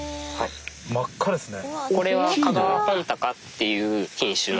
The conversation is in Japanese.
真っ赤ですね。